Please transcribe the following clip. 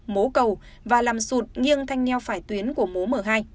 mố cầu và làm sụt nghiêng thanh nheo phải tuyến của mố m hai